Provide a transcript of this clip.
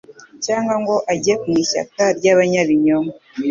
cyangwa ngo ajye mu ishyaka ry’abanyabinyoma